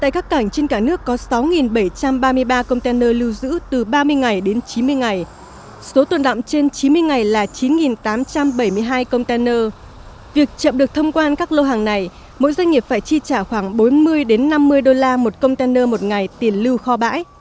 và chín tám trăm bảy mươi hai container việc chậm được thông quan các lô hàng này mỗi doanh nghiệp phải chi trả khoảng bốn mươi năm mươi đô la một container một ngày tiền lưu kho bãi